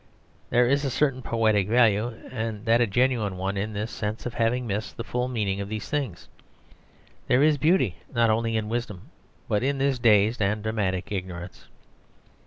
There is a certain poetic value, and that a genuine one, in this sense of having missed the full meaning of things. There is beauty, not only in wisdom, but in this dazed and dramatic ignorance.